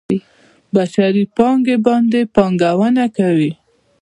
بشري پانګې باندې پانګونه کوي.